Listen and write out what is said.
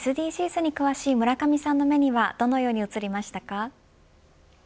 ＳＤＧｓに詳しい村上さんの目にはどのように映りましたか。